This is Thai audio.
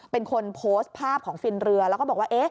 เป็นคนโพสต์ภาพของฟินเรือแล้วก็บอกว่า